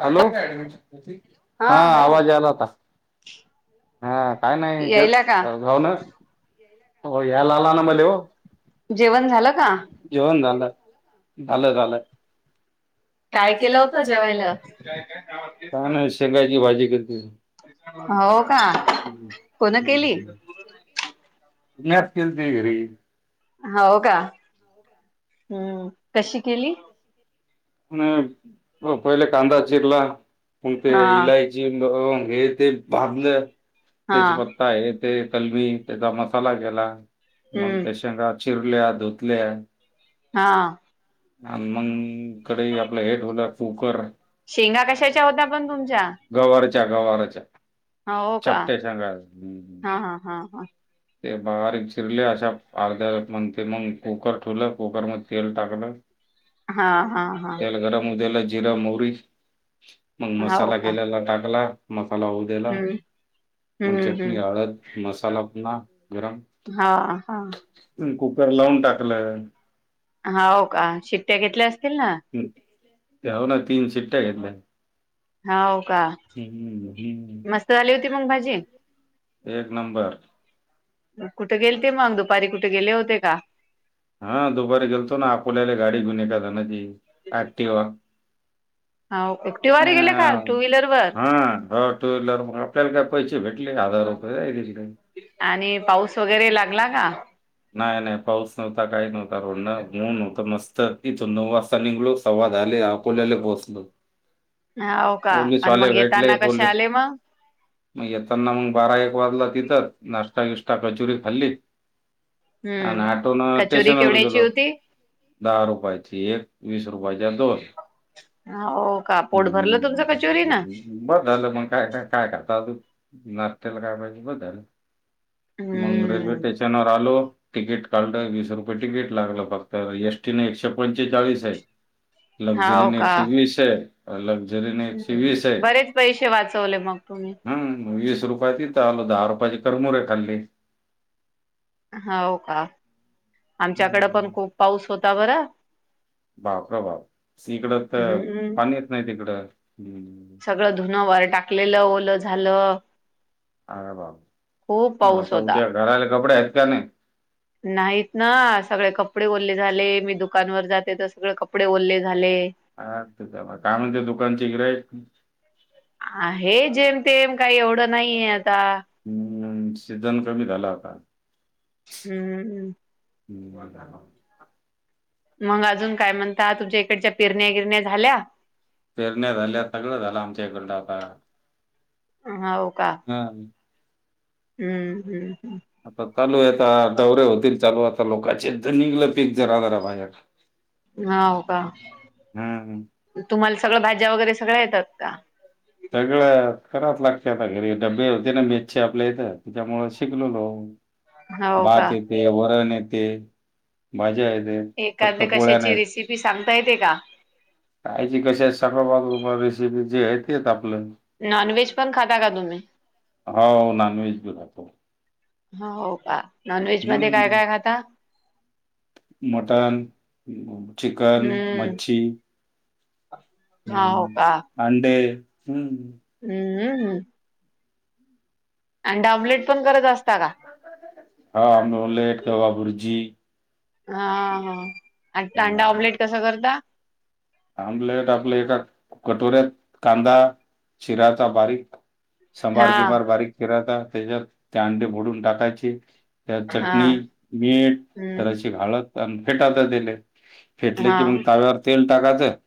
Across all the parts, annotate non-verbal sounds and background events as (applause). Hello हा हा आवाज हॅलो आला होता. हा काय नाही जर यायला का भाऊन हो याला आला ना मध्ये हो जेवण झालं का जेवण झालं. (unintelligible) झालं झालं. काय केलं होत जेवायल. (unintelligible) का नाही शेंगाची भाजी केलती. हो का. हम्म कोण केली हम्म म्याच केलती घरी. हो का हम्म कशी केली? हम्म हो पहिले कांदा चिरला मंग ते हा इलाय लाईची लोन हे ते टाकल हा तेजपत्ता हे ते ते कलमी त्याचा मसाला गेला मग हम्म त्या शेंगा चिरल्या धुतल्या हा. आणि मंग ईकडे आपलं हे ठेवलं कुकर शेंगा कशाच्या होत्या पण तुमच्या? गवारच्या गवारच्या हो का चपट्या शेंगा हा हा हा. ते बारीक चिरले अशा अर्ध्या म्हण ते मग कुकर ठवलं कुकर मध्ये तेल टाकलं हा हा तेल गरम होउदेल जीर मोहरी मग हा हो मसाला का केेलेला टाकला मसाला हो ला हम्म प हम्म चटणी हम्म हळद मसाला पना गरम हा हा. मी कुकर लावून टाकलंय. हाव का शिक्ट्या घेतल्या असतील ना. ह होव ना तीन शिट्ट्या घेतल्या ना. हाव का हं. मस्त झाली होती मग भाजी? एक नंबर. कुठे गेल ते मग दुपारी कुठे गेले होते का? हा दुपारी गेलतो ना अकोल्याले गाडी गुणे कादाना ती. ॲकटीवा हाव एकटीवारी गेले का टू व्हीलर वर हा हट (unintelligible) टू व्हीलर म आपल्याला काय पैशे भेटले हजार रुपय. (unintelligible) आणि पाऊस वगैरे लागला का? नाही नाही पाऊस नव्हता काही नव्हता रोंडन ऊन होत मस्त त इथून नऊ वाजता निघलो सव्वा दाहाले अकोल्याले पोहचलो. हो का आणि मग भेटले, येताना कसे पोलीस आले मग? मग येताना मग बारा एक वाजला तिथंच नाश्ता बिष्टा कचुरी खाल्ली आणि हम्म आटोन कचोरी स्टेशन वर केवढ्याची गेलो. होती? दहा रुपयाची एक वीस रुपयाच्या दोन. हो का पोट भरलं तुमचं कचोरी न? बर झालं मग काय काय काय करत आज नाशत्याला काय पाहिजे ब झालं मग रेल्वे हम्म स्टेशनवर लो तिकीट काढलं वीस रुपये तिकीट लागलं फक्त एसटी न एकशे पंचेचाळीस आहे (inaudible) लक्झरी हाव न का एकशे वीस आहे. लक्झरी न एकशे हम्म वीस हय बरेच पैसे वाचवले मग तुम्ही हम वीस रुपयात इथं आलो दहा रुपयाची करमुरे खाल्ले. हावू का आमच्याकडे पण हं. खूप पाऊस होता बरं बापरे बाप इकड तर हम्म पाणी येत नाही तिकडं. सगळं धुनं वर टाकलेलं ओलं झालं. अर खूप बापरे पाऊस आता होता. उद्या घालायाला कपडे आहेत का नाही? नाहीत ना सगळे कपडे ओल्ले झाले मी दुकानवर जाते तर सगळे कपडे ओल्ले झाले. अ ते च्या काय म्हणते दुकानचे तिकडे हे जेम तेम काही एवढं नाहीये आता हम्म सीझन कमी झाला आता. हम्मम् हंम हमं (unintelligible) मग अजून काय म्हणता? तुमच्या इकडच्या पिरण्या गिरण्या झाल्या. पेरण्या झाल्या सगळ झालं आमच्या इकडं आता हावू का? हम हम्म हम्म हम् आता चालू आहेता डौवऱे होतील चालू आता लोकांचे एकदा निघलं पिक जरा जरा बाहेर. (inaudible) हो का हं. तुम्हाला सगळ भाज्या वगैरे सगळ्या येतात का? सगळं करावच लागते आता घरी डबे होते ना मेसचे आपल्या इथे त्याच्यामुळे शिकललो हो भात का येते वरण येते भाज्या येते फक्त एखाद्या पोळ्या कशाची नाहीत. रेसिपी सांगता येते का? कायची कशाची (unintelligible) रेसिपी जे आहेत आपलं नॉन व्हेज पण खाता का तुम्ही? हो नॉनव्हेज बी खातो. हो हो का नॉन व्हेज मध्ये काय काय खाता? मटन, चिकन, हम्म मच्छी (unintelligible) का हम्म अंडे हम् हम्म (unintelligible) अंडा ऑमलेट पण करत असता का (unintelligible) हा आमलेट किंवा भुर्जी हा हा अंडा हम्म. ऑमलेट कसा करता? आमलेट आपल्या एका कटोऱ्यात कांदा चिरायचा बारीक समार हा किमार बारीक फिराता त्याच्यात त्या अंडे फोडून टाकायचे त्यात हा चटणी, मीठ, हम्म जराशी हळद फेटाता दिले फेटले हा की मग ताव्यावर तेल टाकायतच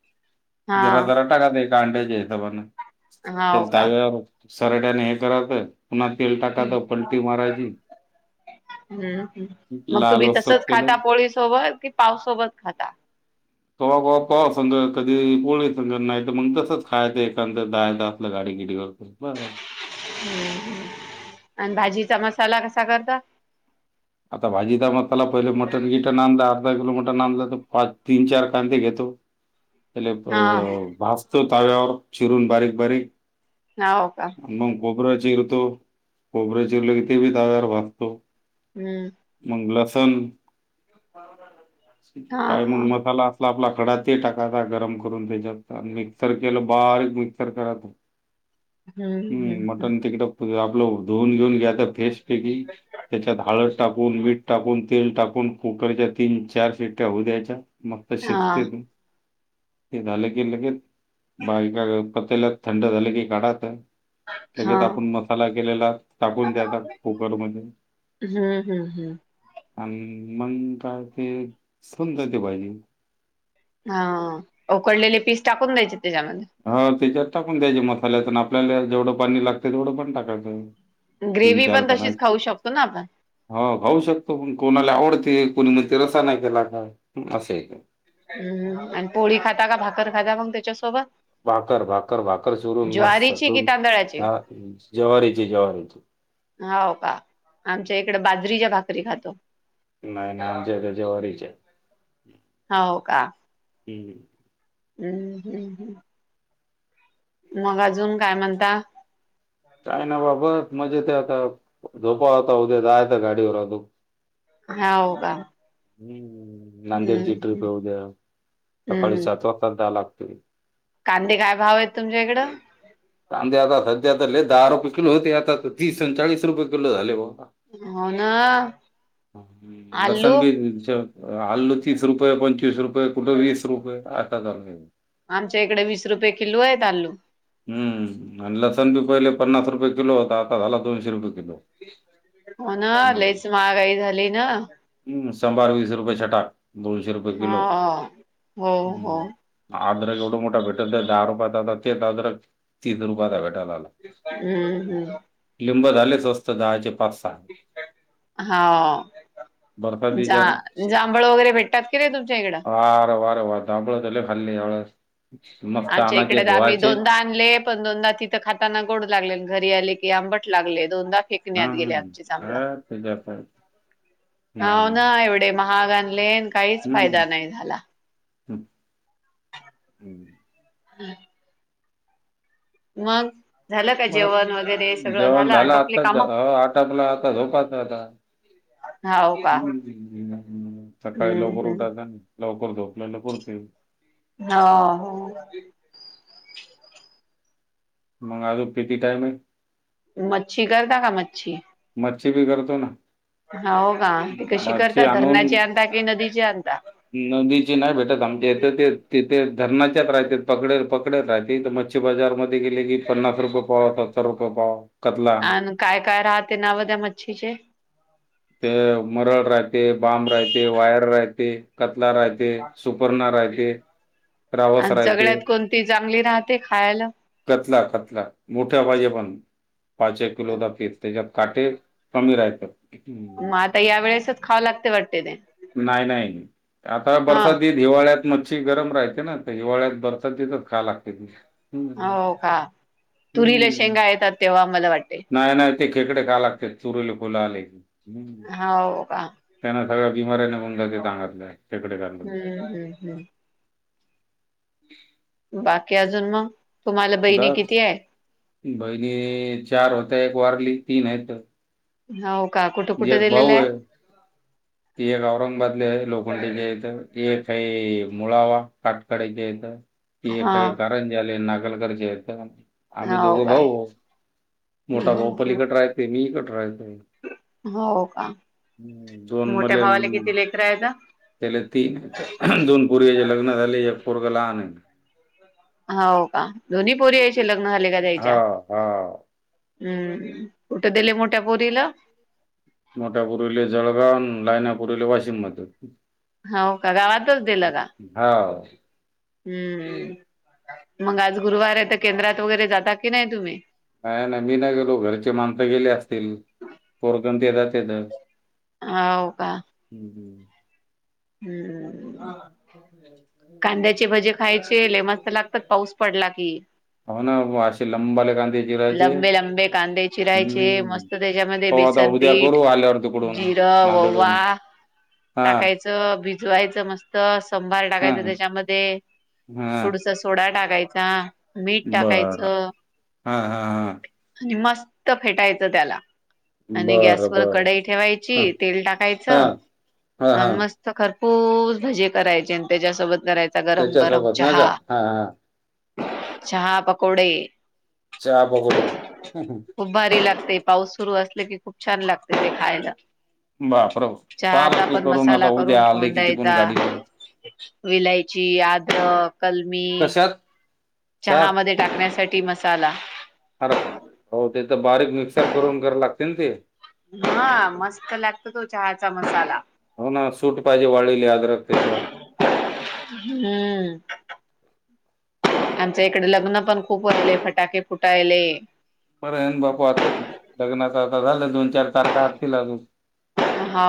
हा जरा जरा टाकात एकाअंड्याच्या हिशोबनें हा ते हो का ताब्या सरट्याने हे करायच पुन्हा तेल टाकायच पलटी मारायची (unintelligible) हम्म मग लाल तुम्ही होईस्तोवर तसच त्याले खाता पोळी सोबत कि पावसोबत खाता. कवा कवा पाव संग कधी पोळी संगत नाही तर मग तसंच खायचं एखाद्या असलं गाडीगिडीवर (unintelligible) (inaudible) ह्म् आणि भाजीचा मसाला कसा करता आता भाजी मसाला त्याला पहिले मटन किटन आणला अर्धा किलो मटण आणलं तर पाच तीन चार कांदे घेतो एले अ हा भासतो तव्यावरवर चिरूून बारीक बारीक. नव का. मग कोबर चिरतो कोबरं चिरलं कि ते बी ताब्यावर वागतो. हम्म. मग लसन हा काय हा मंग मसाला असत आपला खडा ते टाकाता गरम करून त्याच्यात मिक्सर केलं बारीक मिक्सर करात. हम्म मटन तिकटप आपलं धुवून घेऊन घ्याता फेसपैकी त्याच्यात हाळद टाकून मीठ टाकून तेल टाकून कुकरच्या तीन चार सिट्ट्या होऊ द्याच्या. मंग तं हा शेतीचे झालं का लगेच बाग कडे त्याला थंड झाले की काढा आता हा लगेच आपण मसाला केलेला टाकून दया कुकर मध्ये. हम्म हम्म हम्म. अ मग काय ते सुंदते पाहिजे. हा उकडलेले पीस टाकून द्यायचे त्याच्यामध्ये. हा त्याच्यात टाकून द्यायचे मसाल्यातून आपल्याला जेवढं पाणी लागतें तेवढं पण टाकायचं. तीन ग्रेवही चार पण तशीच जणांचे खाऊ शकतो ना आपण. हो भाऊ शकतो पण कोणाला आवडते कोणी म तेि रसा नाही केला का असं आहे का हम्म आणि पोळी खाता का भाकर खाता मग त्याच्यासोबत. भाकर भाकर भाकर चोरून ज्वारीची कि मस्ततून तांदळाची जवारीची जवारीची. हो का आमच्या इकडे बाजरीच्या भाकरी खातो. नाही ना आमचे ते जवरचे. हा हो का. हम. हम्म हम्म हम्. मग अजून काय म्हणता. काय ना बाबा मजेत आता झोपा होता उद्या जायता गाडीवर अूजुन हाव का. हम् नांदेडची हम्म ट्रिप येऊ दया सकाळी हम्म सात वाजता जा लागते. कांदे काय भाव आहेत तुमच्या कडं. कांदे आता सध्या दहा रुपये किलो होते. आता तर तीस चाळीस रुपये किलो झाले बा. हो ना आलू लसूण भी आलू तीस रुपये पंचवीस रुपये कुठे वीस रुपये आता चलं आमच्या इकडे वीस रुपये किलो आहे आलू. हम्म आणि लसणं बी पहिले पन्नास रुपये किलो होता. आता झाला दोनशे रुपये किलो. हो ना हम्म लईचं महागाई झाली ना. हम्म (unintelligible) वीस रुपये छटा दोनशे रुपये किलो हो हो हो हम्म. आद्रक एवढा मोठा भेटल दहा रुपयातं ते आद्रक तीस रुपयाला भेटायला लागला. हम्म, हम्म. लिंब झाले स्वस्त दहाचे पाच सहा. हा बरसात बीजाला जां जांभळ वगैरे भेटतात किनी तुमच्या इकडं. हा रवा राव जांभळं तर लई खाल्ले ह्या वेळेस मस्त आमच्या इकडे आणायचे तर आम्ही धुवाचे. दोनदा आणले पण दोनदा तिथं खाताना गोड लागले घरी आले की आंबट लागले दोनदा फेक पुण्यात गेले आमचे जांभळं. त्यात पण. हो ना एवढे महाग आणले काहीचं फायदा नाही झाला. हम्म हम्म. (inaudible) मग. झालं का जेवण मंग वगैरे सगळं जेवणं झालं आटोपले काम? आताचं हो आटापला आता झोपाचं आता. हाव का हम् (unintelligible) सकाळी हम्म लवकर हम्म उठायचं. लवकर झोपलेलं (unintelligible) हा. हो. (unintelligible) मंग आजून किती टाईम आहे.? मच्छी, करता का, मच्छी? मच्छी बी करतो ना. हो का? ती कशी मच्छी करतात? आणून धरणाची आणता कि नदीची आणता? नदीची नाही भेटत आमच्या इथ, ते तिथे धरणाच्याच रायतेत, पकडत-पकडत राहतेत म मच्छी बाजार मध्ये गेले की, पन्नास रुपये पाव, सत्तर रुपये पाव. कतला आन काय-काय राहते नाव त्या मच्छीचे? ते मरळ रायते, बाम रायते, वायर रायते. कतला रायते, सुपर्णा रायते, रावस रायते. ती चांगली राहते खायाला. कतला-कतला मोठ्या पायजे पण, पाच एक किलोचा फीट (unintelligible) त्याच्यात काटे कमी रायतेल. हम्म. मग आता या वेळेसच खावं लागते वाटते ते नाय-नाय आता हा बरसात दिन हिवाळ्यात मच्छी गरम राहते ना तर हिवाळ्यात बरसात खा लागते ती. हम्म हाव का? तुरीला शेंगा येतात तेव्हा मला वाटे. नाय-नाय ते खेकडे खायला लागते, तुरीला फुल आले कि, हम्म. हाव का त्यांने सगळ्या बिमऱ्या निगुन जात्यात अंगातल्या. खेकडे खाल हम्म हम्म ह्म. बाकी अजून मंग? तुम्हाला बहिणी किती बस आहे? बहिणी चार होत्या, एक वारली तीन आहेत. हाव का? कुठं-कुठं दिलेल्या? ती एक औरंगाबादली आहे लोखंडेच्या इथं. ती एक आहे मुळावा काटकाड्याच्या इथं, ती एक हा हाय जली नागलकर च्या इथं. आम्ही हो दोघं का भाऊ, मोठा हम्म भाऊ पलीकड रायते, मी इकड रायते. हो का, मोठ्या मले भावाला किती लेकर हायत? त्याले तीन, आहेत. दोन पोरींचे लग्न झाले, एक पोरगं लहान हो का, दोन्ही पोरी यायचे लग्न झाले का तेंच्या? हां, हां. हम्म. कूठ देले मोठ्या पुरीला? मोठ्यापूरीले जळगाव, लायना पूरीले वाशिम मद. होका? गावातच दिलं का? हाव. हम्म. मग आज गुरुवार आहे, तर केंद्रात वगैरे जाता की नाही तुम्ही? नाय - नाय मी नाही गेलो, घरचे माणसं गेले असतील पोरगण देतात तिथं. हो का? ह्म ह्म. हम्. हो (unintelligible) कांद्याचे भजे खायचे लई मस्त लागतात, पाऊस पडला की. हो ना असे लंबाले कांदे चिरायचे लंबे-लंबे कांदे चिरायचे हम्म मस्त त्याच्यामध्ये पाहू आता उद्या बेसनपीठ, करू आल्यावर तिकडून जिरं, ववा. नांदेडहून हा टाकायचं, भिजवायचं मस्त संभार टाकायचं त्याच्यामध्ये हम्म. च सोडा टाकायचा, मीठ बरं टाकायचं हा हा हा आणि मस्त फेटायचं त्याला. आणि बरं गॅसवर बरं कढई हा ठेवायची तेल हा टाकायचं हा हा अन मस्त खरपूरस भजे करायचे आणि त्याच्यासोबत करायचे चा गरम गरम त्याच्यासोबत नाही चहा का हा हा चहा पकोडे. चहा पकोडे खूप भारी लागते पाऊस सुरू असल की खूप छान लागते ते खायला बा प्रव पाल चहाचा पण करून आता मसाला उद्या करून आले ठेवून किती कोण द्यायचा गाडी घेऊन विलायची आद्रक कलमी. कशात चार चहामध्ये टाकण्यासाठी मसाला. खरप हो तेथ बारीक मिक्सर करून करा लागतेन ते हा मस्त लागत तो चहाचा मसाला हो ना सूट पाहिजे वाळलेली आद्र क तेज्यावर हम्म. आमच्या इकडे लग्न पण खूप वायले फटाके फुटायले. परर अन बापू आत हो लग्नाचा आता झालं दोन चार तारखा आसतील अजून हो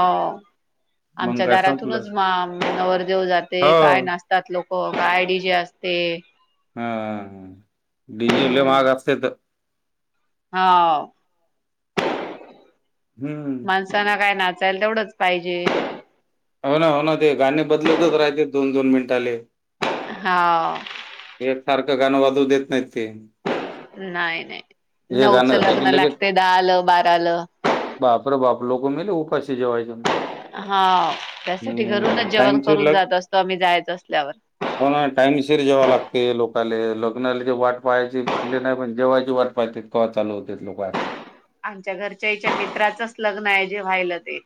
मग आमच्या काय संपलं दारातूनच मा नवरदेव जाते काय हो नाचते. करतात लोक काय डी जे असते. हा डि जे लई माहाग असतेत. ह वो. हम्म माणसाांना काय नाचायला तेवढंच पाहिजे. हो ना हो ना ते गाणे बदलतच राहाय तेत दोन दोन मिनिटाले हा वो एक सारखं गाणं वाजवू देत नाही ते नाही नाही हे नऊच गाणं झालं की लग्न लागते दहाल बाराल. बापर बाप लोक मेले उपाशी जेवायच म्हणजे हा त्यासाठी घरूनच जेवण टाइमची करून लग जात असतो आम्ही जायच असल्यावर. हो ना टाइमशीर जेवा लागते लोकाले लग्नाला ज वाट पाहायची पहिले नाही पण जेवायची वाट पयत्यात कवा चालू होत्यात लोक आपल आमच्या घरच्याईच्या मित्राचच लग्न आहे जे व्हायलं ते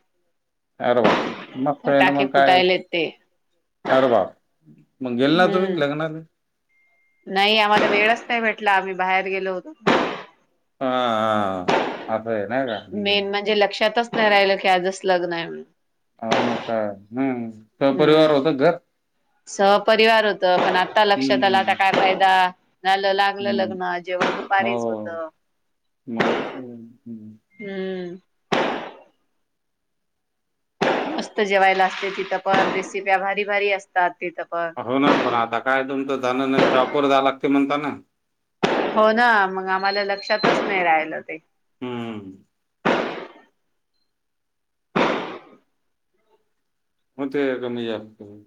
अर वा मग काय अन म फटाके काय फुटायलेत ते अर वा मग गेल ना तुम्ही हम्म लग्नात? नाही आम्हाला वेळच नाही भेटला आम्ही बाहेर गेलो होतो हा हा आता येन का? हम्म. मेन म्हणजे लक्षातच नाही राहिलं की आजच लग्न आहे म्हणून हो का हम्म. हम्म सपरिवार होतं घर सहपरिवार होत पण आता आता लक्षात आलं आता हम्म का फायदा झालं लागलं हम्म लग्न जेवण दुपारीच हो होत. (inaudible) हम्म. हम्म. मस्त जेवायला असते तिथं पण रेसिप्या भारी भारी असतात तिथं पण. हो ना पण आता काय तुमचं जाण नाही टॉपर जाण लागते म्हणताना. हो ना मग आम्हाला लक्षातच नाही राहिलं ते हम्म. होते कमी जास्त करून